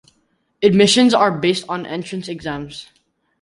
Admissions are based on entrance exams.